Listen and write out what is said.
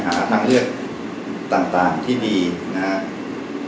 หาทางเลือกต่างที่ดีนะครับ